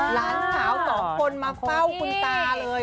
หลานสาวสองคนมาเฝ้าคุณตาเลย